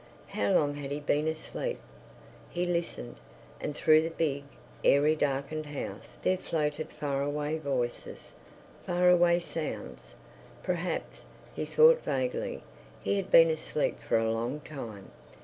How long had he been asleep? He listened, and through the big, airy, darkened house there floated far away voices, far away sounds. Perhaps, he thought vaguely, he had been asleep for a long time.